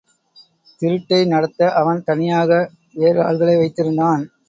திருட்டை நடத்த அவன் தனியாக வேறு ஆள்களை வைத்திருந்தான்.